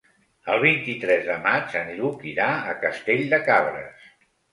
El vint-i-tres de maig en Lluc irà a Castell de Cabres.